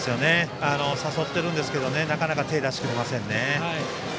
誘っているんですけどなかなか手を出してくれませんね。